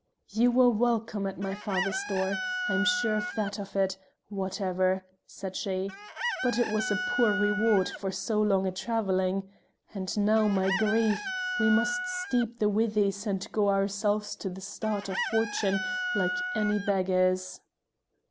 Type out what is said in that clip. "You were welcome to my father's door; I am sure of that of it, whatever," said she, "but it was a poor reward for so long a travelling. And now, my grief! We must steep the withies and go ourselves to the start of fortune like any beggars."